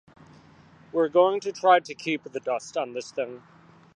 We’re going to try to keep the dust on this thing.